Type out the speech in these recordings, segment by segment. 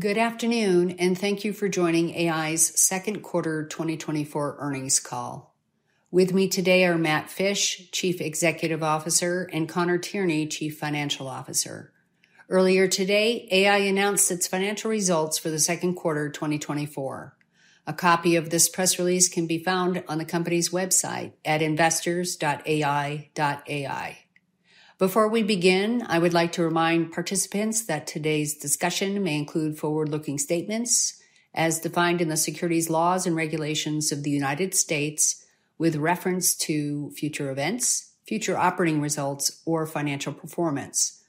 Good afternoon, and thank you for joining AEye's Second Quarter 2024 Earnings Call. With me today are Matt Fisch, Chief Executive Officer, and Conor Tierney, Chief Financial Officer. Earlier today, AEye announced its financial results for the second quarter of 2024. A copy of this press release can be found on the company's website at investors.aeye.ai. Before we begin, I would like to remind participants that today's discussion may include forward-looking statements as defined in the securities laws and regulations of the United States, with reference to future events, future operating results, or financial performance.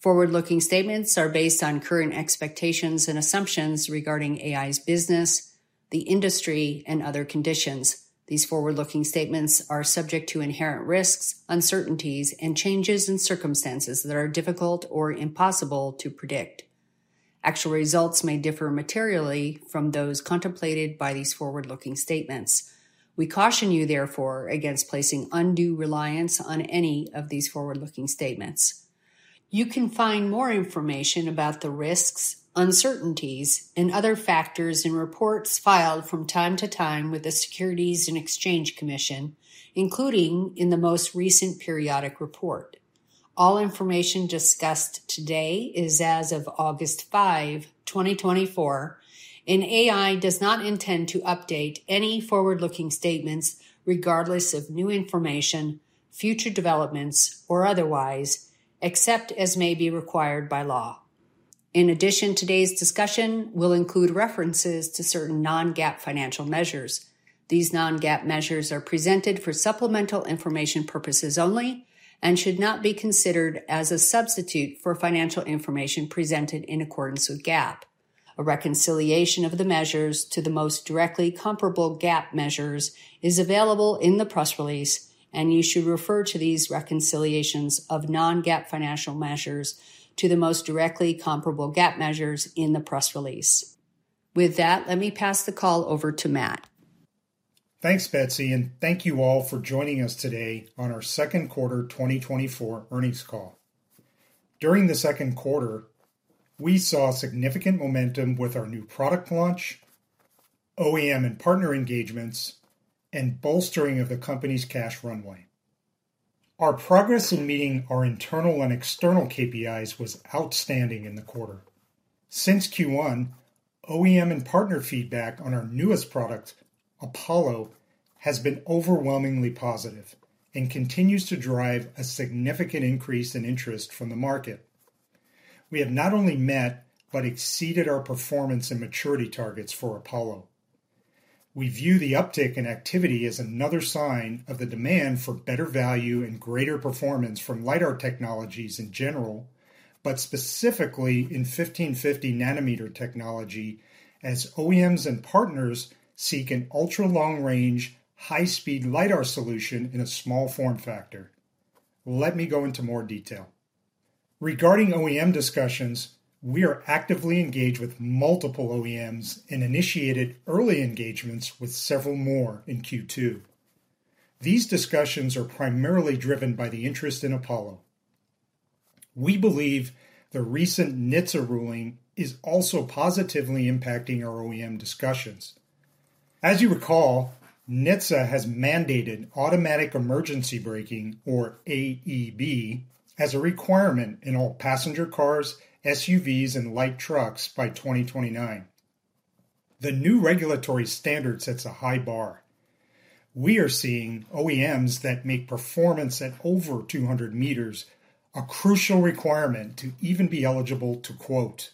Forward-looking statements are based on current expectations and assumptions regarding AEye's business, the industry, and other conditions. These forward-looking statements are subject to inherent risks, uncertainties, and changes in circumstances that are difficult or impossible to predict. Actual results may differ materially from those contemplated by these forward-looking statements. We caution you, therefore, against placing undue reliance on any of these forward-looking statements. You can find more information about the risks, uncertainties, and other factors in reports filed from time to time with the Securities and Exchange Commission, including in the most recent periodic report. All information discussed today is as of August 5, 2024, and AEye does not intend to update any forward-looking statements, regardless of new information, future developments, or otherwise, except as may be required by law. In addition, today's discussion will include references to certain non-GAAP financial measures. These non-GAAP measures are presented for supplemental information purposes only and should not be considered as a substitute for financial information presented in accordance with GAAP. A reconciliation of the measures to the most directly comparable GAAP measures is available in the press release, and you should refer to these reconciliations of non-GAAP financial measures to the most directly comparable GAAP measures in the press release. With that, let me pass the call over to Matt. Thanks, Betsy, and thank you all for joining us today on our Second Quarter 2024 Earnings Call. During the second quarter, we saw significant momentum with our new product launch, OEM and partner engagements, and bolstering of the company's cash runway. Our progress in meeting our internal and external KPIs was outstanding in the quarter. Since Q1, OEM and partner feedback on our newest product, Apollo, has been overwhelmingly positive and continues to drive a significant increase in interest from the market. We have not only met but exceeded our performance and maturity targets for Apollo. We view the uptick in activity as another sign of the demand for better value and greater performance from LiDAR technologies in general, but specifically in 1550 nm technology, as OEMs and partners seek an ultra-long range, high-speed LiDAR solution in a small form factor. Let me go into more detail. Regarding OEM discussions, we are actively engaged with multiple OEMs and initiated early engagements with several more in Q2. These discussions are primarily driven by the interest in Apollo. We believe the recent NHTSA ruling is also positively impacting our OEM discussions. As you recall, NHTSA has mandated automatic emergency braking, or AEB, as a requirement in all passenger cars, SUVs, and light trucks by 2029. The new regulatory standard sets a high bar. We are seeing OEMs that make performance at over 200 meters a crucial requirement to even be eligible to quote.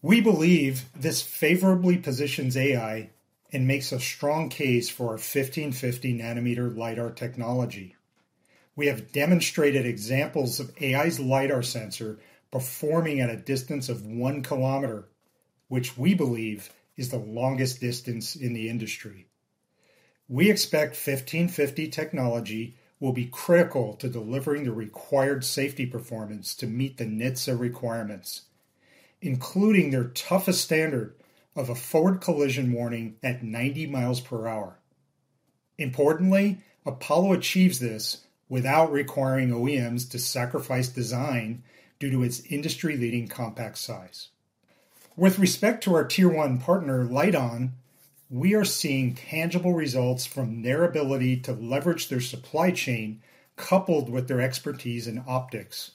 We believe this favorably positions AEye and makes a strong case for our 1550 nm LiDAR technology. We have demonstrated examples of AEye's LiDAR sensor performing at a distance of one kilometer, which we believe is the longest distance in the industry. We expect 1550 technology will be critical to delivering the required safety performance to meet the NHTSA requirements, including their toughest standard of a forward collision warning at 90 mph. Importantly, Apollo achieves this without requiring OEMs to sacrifice design due to its industry-leading compact size. With respect to our Tier 1 partner, LITEON, we are seeing tangible results from their ability to leverage their supply chain, coupled with their expertise in optics.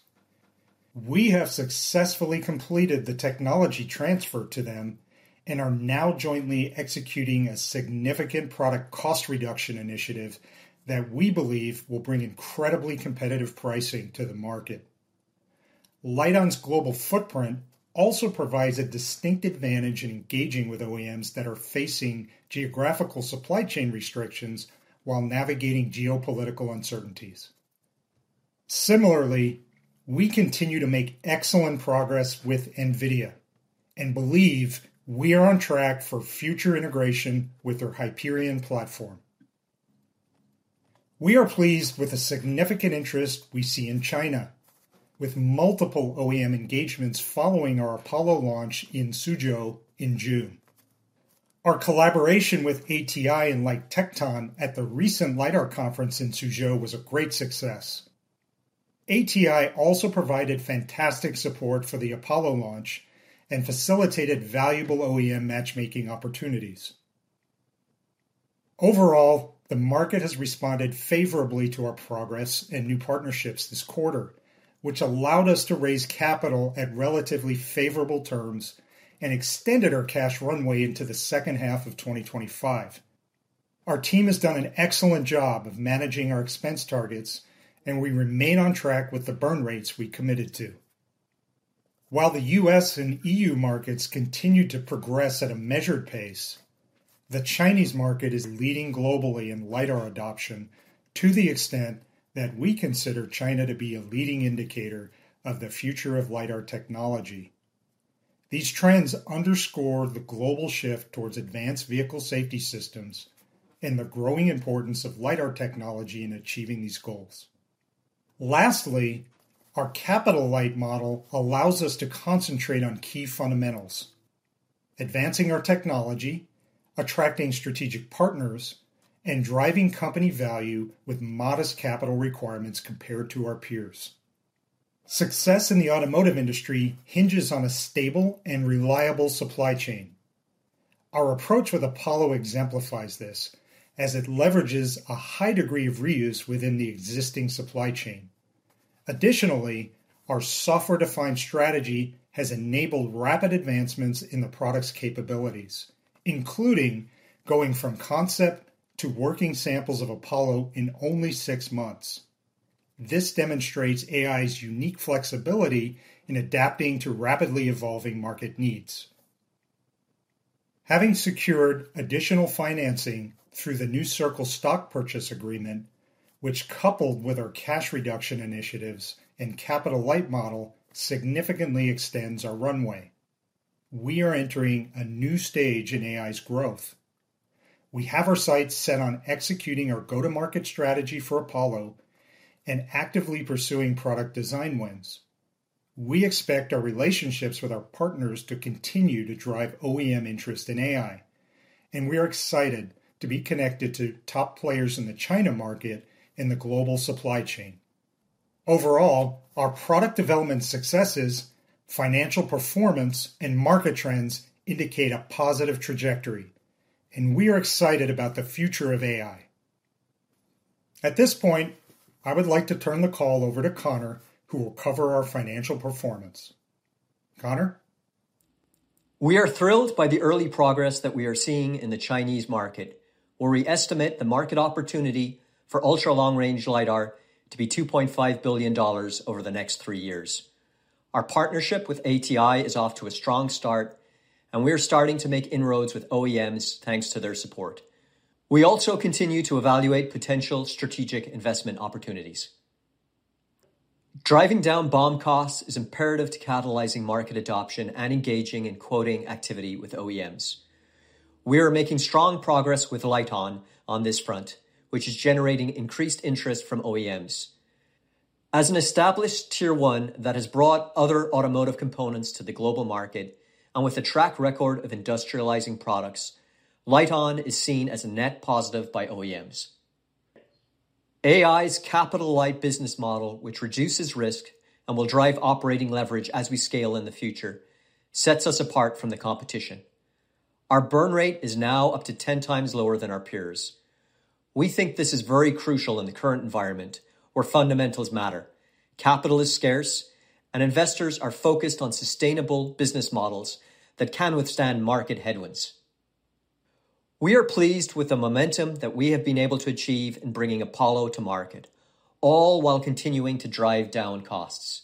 We have successfully completed the technology transfer to them and are now jointly executing a significant product cost reduction initiative that we believe will bring incredibly competitive pricing to the market. LITEON's global footprint also provides a distinct advantage in engaging with OEMs that are facing geographical supply chain restrictions while navigating geopolitical uncertainties. Similarly, we continue to make excellent progress with NVIDIA and believe we are on track for future integration with their Hyperion platform. We are pleased with the significant interest we see in China, with multiple OEM engagements following our Apollo launch in Suzhou in June. Our collaboration with ATI and LighTekton at the recent LiDAR conference in Suzhou was a great success. ATI also provided fantastic support for the Apollo launch and facilitated valuable OEM matchmaking opportunities. Overall, the market has responded favorably to our progress and new partnerships this quarter, which allowed us to raise capital at relatively favorable terms and extended our cash runway into the second half of 2025. Our team has done an excellent job of managing our expense targets, and we remain on track with the burn rates we committed to. While the U.S. and E.U. markets continue to progress at a measured pace, the Chinese market is leading globally in LiDAR adoption to the extent that we consider China to be a leading indicator of the future of LiDAR technology. These trends underscore the global shift towards advanced vehicle safety systems and the growing importance of LiDAR technology in achieving these goals. Lastly, our capital-light model allows us to concentrate on key fundamentals: advancing our technology, attracting strategic partners, and driving company value with modest capital requirements compared to our peers. Success in the automotive industry hinges on a stable and reliable supply chain. Our approach with Apollo exemplifies this, as it leverages a high degree of reuse within the existing supply chain. Additionally, our software-defined strategy has enabled rapid advancements in the product's capabilities, including going from concept to working samples of Apollo in only six months. This demonstrates AEye's unique flexibility in adapting to rapidly evolving market needs. Having secured additional financing through the New Circle Stock Purchase Agreement, which, coupled with our cash reduction initiatives and capital-light model, significantly extends our runway, we are entering a new stage in AEye's growth. We have our sights set on executing our go-to-market strategy for Apollo and actively pursuing product design wins. We expect our relationships with our partners to continue to drive OEM interest in AEye, and we are excited to be connected to top players in the China market and the global supply chain. Overall, our product development successes, financial performance, and market trends indicate a positive trajectory, and we are excited about the future of AEye. At this point, I would like to turn the call over to Conor, who will cover our financial performance. Conor? We are thrilled by the early progress that we are seeing in the Chinese market, where we estimate the market opportunity for ultra-long-range LiDAR to be $2.5 billion over the next three years. Our partnership with ATI is off to a strong start, and we are starting to make inroads with OEMs, thanks to their support. We also continue to evaluate potential strategic investment opportunities. Driving down BOM costs is imperative to catalyzing market adoption and engaging in quoting activity with OEMs. We are making strong progress with LITEON on this front, which is generating increased interest from OEMs. As an established Tier 1 that has brought other automotive components to the global market and with a track record of industrializing products, LITEON is seen as a net positive by OEMs. AEye's capital-light business model, which reduces risk and will drive operating leverage as we scale in the future, sets us apart from the competition. Our burn rate is now up to 10x lower than our peers. We think this is very crucial in the current environment, where fundamentals matter, capital is scarce, and investors are focused on sustainable business models that can withstand market headwinds. We are pleased with the momentum that we have been able to achieve in bringing Apollo to market, all while continuing to drive down costs.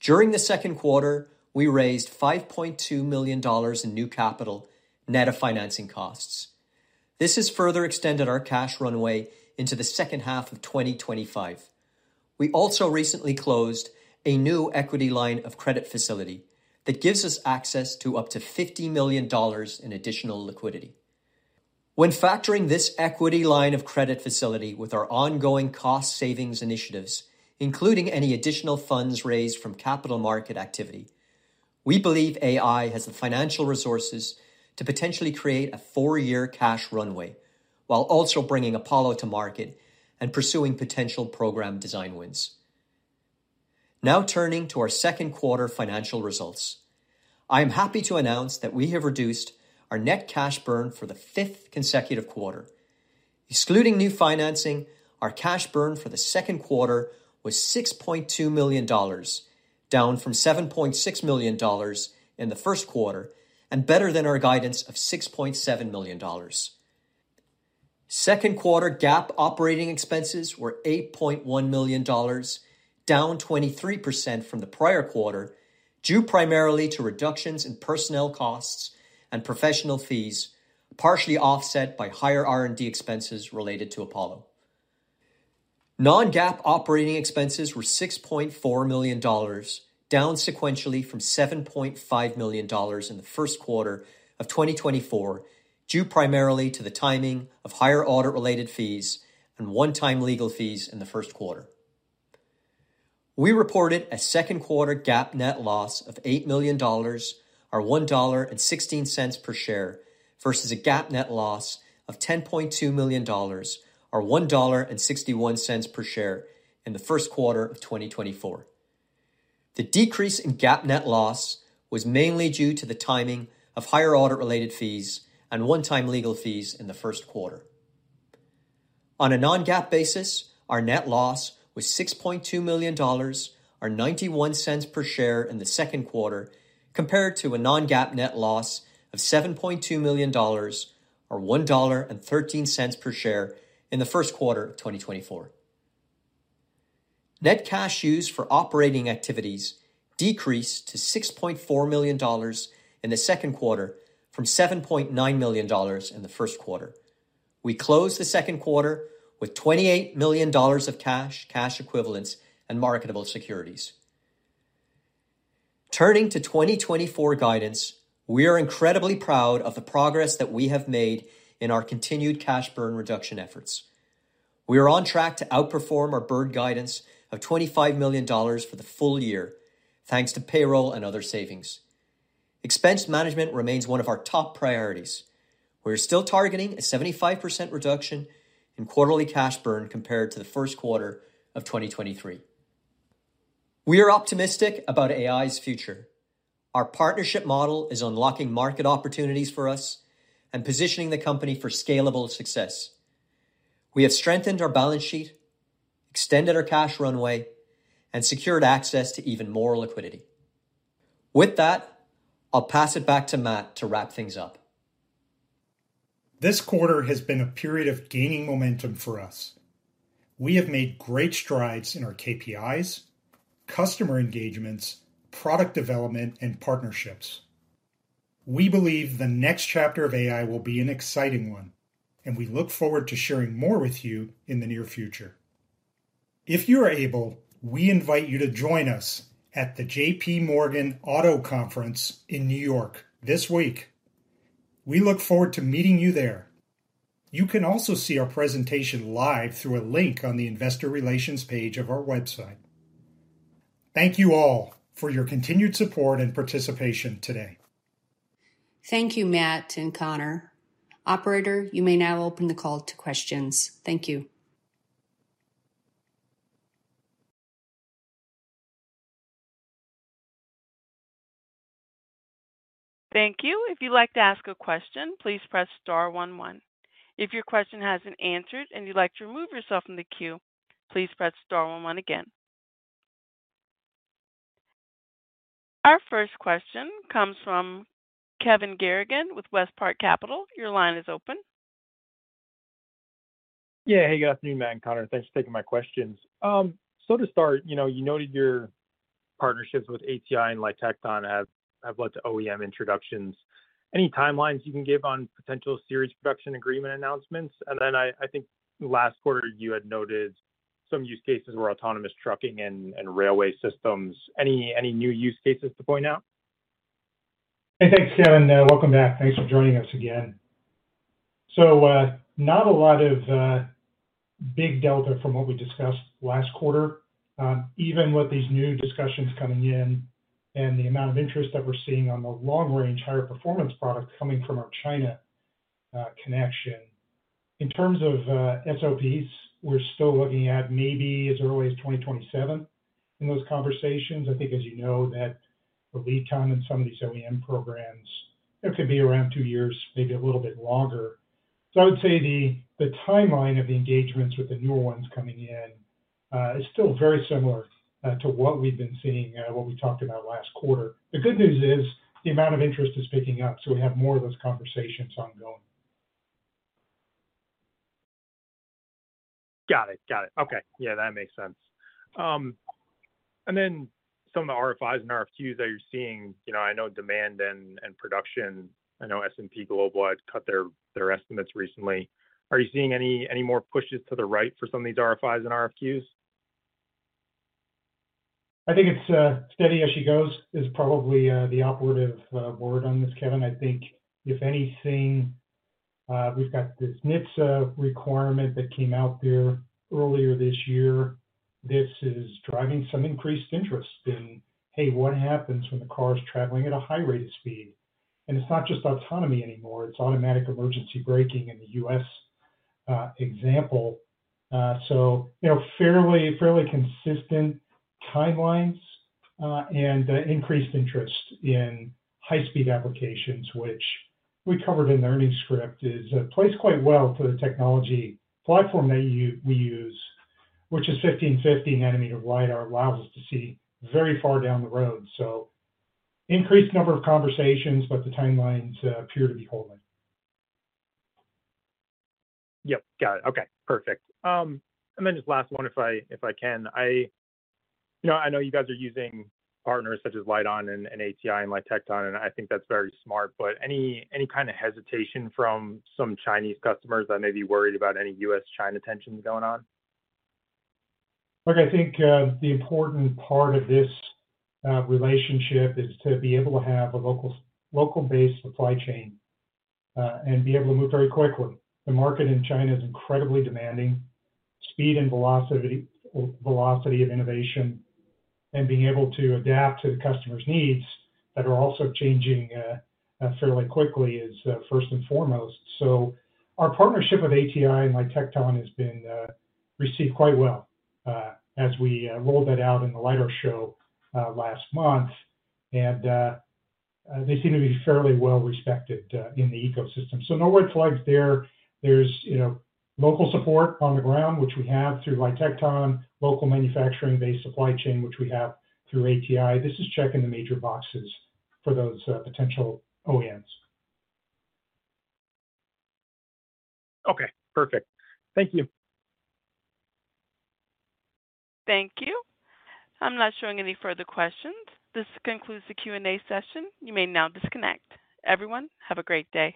During the second quarter, we raised $5.2 million in new capital, net of financing costs. This has further extended our cash runway into the second half of 2025. We also recently closed a new equity line of credit facility that gives us access to up to $50 million in additional liquidity. When factoring this equity line of credit facility with our ongoing cost savings initiatives, including any additional funds raised from capital market activity, we believe AEye has the financial resources to potentially create a four-year cash runway while also bringing Apollo to market and pursuing potential program design wins. Now turning to our second quarter financial results. I am happy to announce that we have reduced our net cash burn for the fifth consecutive quarter. Excluding new financing, our cash burn for the second quarter was $6.2 million, down from $7.6 million in the first quarter and better than our guidance of $6.7 million. Second quarter GAAP operating expenses were $8.1 million, down 23% from the prior quarter, due primarily to reductions in personnel costs and professional fees, partially offset by higher R&D expenses related to Apollo. Non-GAAP operating expenses were $6.4 million, down sequentially from $7.5 million in the first quarter of 2024, due primarily to the timing of higher audit-related fees and one-time legal fees in the first quarter. We reported a second quarter GAAP net loss of $8 million, or $1.16 per share, versus a GAAP net loss of $10.2 million, or $1.61 per share in the first quarter of 2024. The decrease in GAAP net loss was mainly due to the timing of higher audit-related fees and one-time legal fees in the first quarter. On a non-GAAP basis, our net loss was $6.2 million, or $0.91 per share in the second quarter, compared to a non-GAAP net loss of $7.2 million, or $1.13 per share in the first quarter of 2024. Net cash used for operating activities decreased to $6.4 million in the second quarter from $7.9 million in the first quarter. We closed the second quarter with $28 million of cash, cash equivalents, and marketable securities. Turning to 2024 guidance, we are incredibly proud of the progress that we have made in our continued cash burn reduction efforts. We are on track to outperform our prior guidance of $25 million for the full year, thanks to payroll and other savings. Expense management remains one of our top priorities. We are still targeting a 75% reduction in quarterly cash burn compared to the first quarter of 2023. We are optimistic about AI's future. Our partnership model is unlocking market opportunities for us and positioning the company for scalable success. We have strengthened our balance sheet, extended our cash runway, and secured access to even more liquidity. With that, I'll pass it back to Matt to wrap things up. This quarter has been a period of gaining momentum for us. We have made great strides in our KPIs, customer engagements, product development, and partnerships. We believe the next chapter of AI will be an exciting one, and we look forward to sharing more with you in the near future. If you are able, we invite you to join us at the JPMorgan Auto Conference in New York this week. We look forward to meeting you there. You can also see our presentation live through a link on the investor relations page of our website. Thank you all for your continued support and participation today. Thank you, Matt and Conor. Operator, you may now open the call to questions. Thank you. Thank you. If you'd like to ask a question, please press star one, one. If your question hasn't answered and you'd like to remove yourself from the queue, please press star one one again. Our first question comes from Kevin Garrigan with WestPark Capital. Your line is open. Yeah. Hey, good afternoon, Matt and Conor. Thanks for taking my questions. So to start, you know, you noted your partnerships with ATI and LITEON have led to OEM introductions. Any timelines you can give on potential series production agreement announcements? And then I think last quarter you had noted some use cases were autonomous trucking and railway systems. Any new use cases to point out? Hey, thanks, Kevin. Welcome back. Thanks for joining us again. So, not a lot of big delta from what we discussed last quarter. Even with these new discussions coming in and the amount of interest that we're seeing on the long-range, higher-performance product coming from our China connection. In terms of SOPs, we're still looking at maybe as early as 2027 in those conversations. I think, as you know, that the lead time in some of these OEM programs, it could be around two years, maybe a little bit longer. So I would say the timeline of the engagements with the new ones coming in is still very similar to what we've been seeing, what we talked about last quarter. The good news is the amount of interest is picking up, so we have more of those conversations ongoing. Got it. Got it. Okay. Yeah, that makes sense. And then some of the RFIs and RFQs that you're seeing, you know, I know demand and production. I know S&P Global has cut their estimates recently. Are you seeing any more pushes to the right for some of these RFIs and RFQs? I think it's steady as she goes is probably the operative word on this, Kevin. I think if anything, we've got this NHTSA requirement that came out there earlier this year. This is driving some increased interest in, hey, what happens when the car is traveling at a high rate of speed? And it's not just autonomy anymore, it's automatic emergency braking in the U.S., example. So, you know, fairly, fairly consistent timelines, and increased interest in high-speed applications, which we covered in the earnings script, plays quite well for the technology platform that we use, which is 1550 nm LiDAR allows us to see very far down the road. So increased number of conversations, but the timelines appear to be holding. Yep, got it. Okay, perfect. And then just last one, if I can. You know, I know you guys are using partners such as LITEON and ATI and LighTekton, and I think that's very smart, but any kind of hesitation from some Chinese customers that may be worried about any U.S.-China tensions going on? Look, I think, the important part of this, relationship is to be able to have a local, local-based supply chain, and be able to move very quickly. The market in China is incredibly demanding. Speed and velocity, velocity of innovation, and being able to adapt to the customer's needs that are also changing, fairly quickly is, first and foremost. So our partnership with ATI and LighTekton has been received quite well, as we rolled that out in the LiDAR show last month. And, they seem to be fairly well respected, in the ecosystem. So no red flags there. There's, you know, local support on the ground, which we have through LighTekton, local manufacturing-based supply chain, which we have through ATI. This is checking the major boxes for those potential OEMs. Okay, perfect. Thank you. Thank you. I'm not showing any further questions. This concludes the Q&A session. You may now disconnect. Everyone, have a great day.